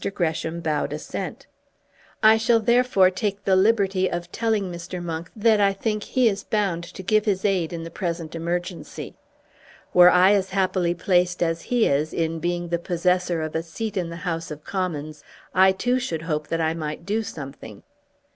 Gresham bowed assent. "I shall therefore take the liberty of telling Mr. Monk that I think he is bound to give his aid in the present emergency. Were I as happily placed as he is in being the possessor of a seat in the House of Commons, I too should hope that I might do something."